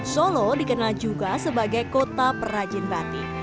solo dikenal juga sebagai kota perajin batik